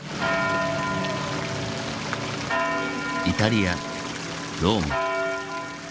イタリアローマ。